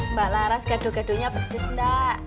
mbak laras gaduh gaduhnya pedes ndak